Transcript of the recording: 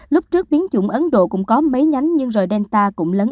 lúc trước biến chủng ấn độ cũng có mấy nhánh nhưng rồi delta cũng lớn ác